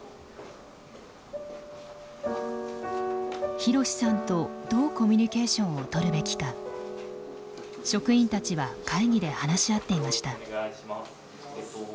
ひろしさんとどうコミュニケーションをとるべきか職員たちは会議で話し合っていました。